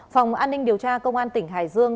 phòng an ninh điều tra công an tỉnh hải dương